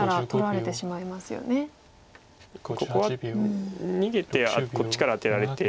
ここは逃げてこっちからアテられて。